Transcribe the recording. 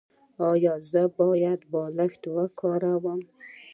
ایا زه باید بالښت وکاروم؟